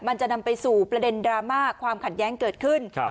มันจะนำไปสู่ประเด็นดราม่าความขัดแย้งเกิดขึ้น